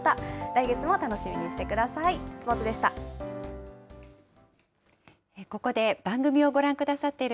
来月も楽しみにしてください。